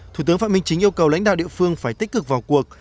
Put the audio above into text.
thủ tướng phạm minh chính yêu cầu lãnh đạo địa phương phải tích cực vào cuộc